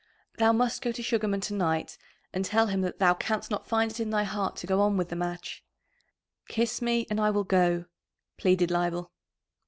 Thou must go to Sugarman to night, and tell him that thou canst not find it in thy heart to go on with the match." "Kiss me, and I will go," pleaded Leibel.